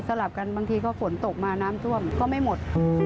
ลับกันบางทีก็ฝนตกมาน้ำท่วมก็ไม่หมด